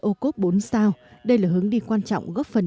ô cốt bốn sao đây là hướng đi quan trọng góp phần